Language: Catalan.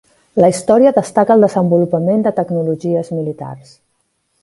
La "Història" destaca el desenvolupament de tecnologies militars.